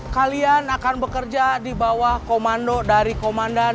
kalian akan bekerja di bawah komando dari komandan